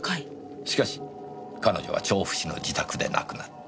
しかし彼女は調布市の自宅で亡くなった。